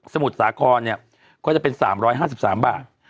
มุทรสาครเนี่ยก็จะเป็น๓๕๓บาท